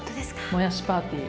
もやしパーティー。